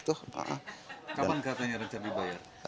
kapan katanya rencana dibayar